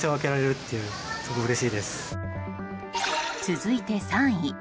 続いて３位。